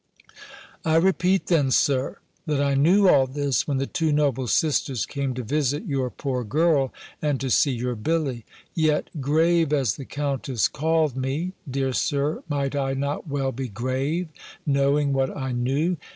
"I repeat, then, Sir, that I knew all this, when the two noble sisters came to visit your poor girl, and to see your Billy. Yet, grave as the Countess called me, (dear Sir! might I not well be grave, knowing what I knew?)